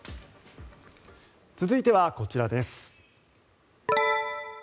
続いてはこちらです。